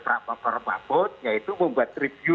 para perempuan yaitu membuat review